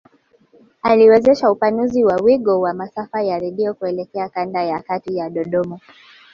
Aliwezesha upanuzi wa wigo wa masafa ya redio kuelekea kanda ya kati Dodoma